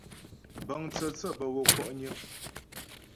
Bəŋ tsə̂tsě bə́ wə́ kwɔ'nyə.